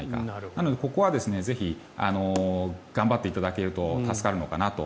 なので、ここはぜひ頑張っていただけると助かるのかなと。